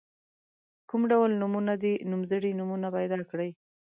کوم ډول نومونه دي نومځري ضمیرونه پیداکړي.